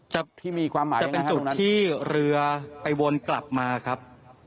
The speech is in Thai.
จะเป็นจุดที่เรือไปวนกลับมาครับ